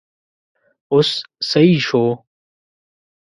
اوس سيي شو!